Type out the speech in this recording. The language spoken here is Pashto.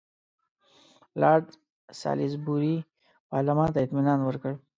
لارډ سالیزبوري پارلمان ته اطمینان ورکړ.